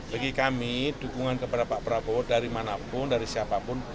bagi kami dukungan kepada pak prabowo dari manapun dari siapapun